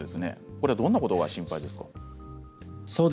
これはどんなことが心配ですか。